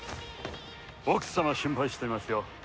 奥様が心配していますよ。